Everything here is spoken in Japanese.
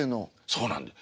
そうなんです。